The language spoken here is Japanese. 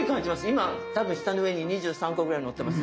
今多分舌の上に２３個ぐらいのってます。